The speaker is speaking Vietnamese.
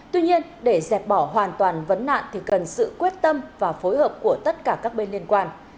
tuy nhiên để dẹp bỏ hoàn toàn vấn nạn thì cần sự quyết tâm và phối hợp của tất cả các bên liên quan